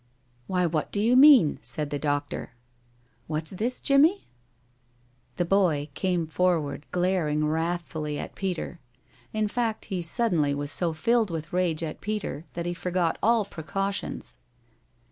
"Why, what do you mean?" said the doctor. "What's this, Jimmie?" The boy came forward, glaring wrathfully at Peter. In fact, he suddenly was so filled with rage at Peter that he forgot all precautions.